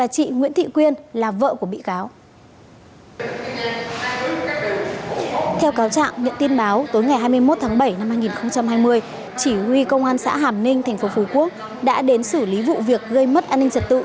chỉ huy công an xã hàm ninh tp phú quốc đã đến xử lý vụ việc gây mất an ninh trật tự